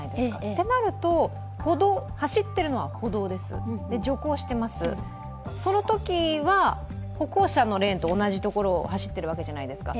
となると、走っているのは歩道です徐行してます、そのときは、歩行者のレーンと同じところを走ってるわけじゃないですか。